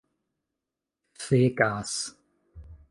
fekas